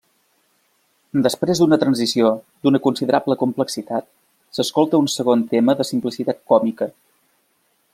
Després d'una transició d'una considerable complexitat, s'escolta un segon tema de simplicitat còmica.